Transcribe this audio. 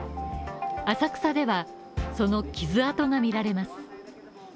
浅草では、その傷跡が見られます。